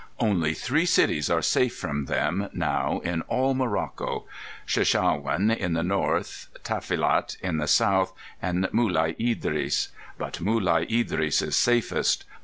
"Only three cities are safe from them now in all Morocco: Sheshawan in the north, Tafilat in the south, and Mulai Idris. But Mulai Idris is safest.